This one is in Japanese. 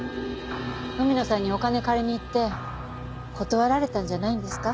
海野さんにお金借りにいって断られたんじゃないんですか？